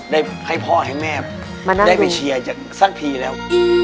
ได้ให้พ่อให้แม่ได้ไปเชียร์สักทีแล้ว